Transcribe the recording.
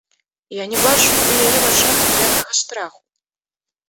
Я не бачыў у яе вачах ніякага страху.